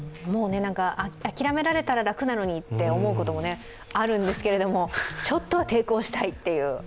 諦められたら楽なのにと思うこともあるんですけれども、ちょっとは抵抗したいっていう。